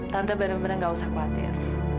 tante bener bener gak usah khawatir